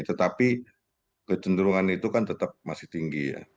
tetapi kecenderungan itu kan tetap masih tinggi ya